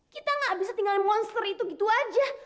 kita nggak bisa tinggalin monster itu gitu aja